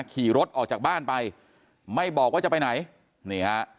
ขี่รถออกจากบ้านไปไม่บอกว่าจะไปไหนนี่ฮะ